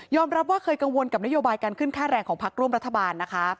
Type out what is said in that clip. รับว่าเคยกังวลกับนโยบายการขึ้นค่าแรงของพักร่วมรัฐบาลนะคะ